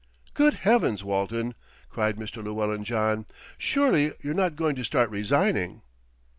"Good heavens, Walton!" cried Mr. Llewellyn John. "Surely you're not going to start resigning."